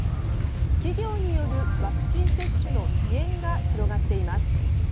企業によるワクチン接種の支援が広がっています。